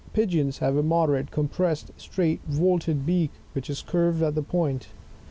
Pigeons have a moderate, compressed, straight, vaulted beak, which is curved at the point, (Plate 5, fig, 4.